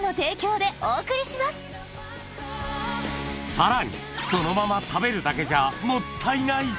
さらにそのまま食べるだけじゃもったいない！